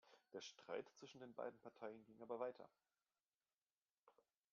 Der Streit zwischen den beiden Parteien ging aber weiter.